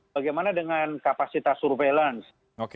bagaimana dengan kapasitas surveillance